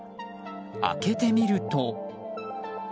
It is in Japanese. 開けてみると。